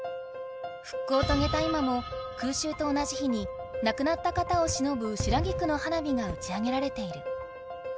ふっこうをとげた今も空襲と同じ日になくなった方をしのぶ白菊の花火が打ち上げられている。